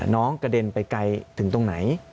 กระเด็นไปไกลถึงตรงไหน